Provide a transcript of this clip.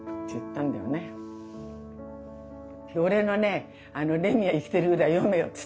「俺の『レミは生きている』ぐらい読めよ」っつって。